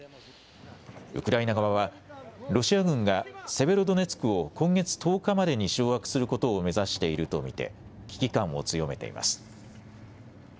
ウクライナ側は、ロシア軍がセベロドネツクを今月１０日までに掌握することを目指していると見て、危機感を強めています。